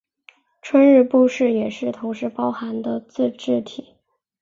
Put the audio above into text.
春日部市也是同时包含的自治体。